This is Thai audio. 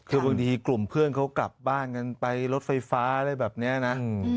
คือบางทีกลุ่มเพื่อนเขากลับบ้านกันไปรถไฟฟ้าอะไรแบบนี้นะ